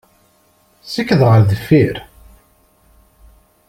Sikked ɣer deffir!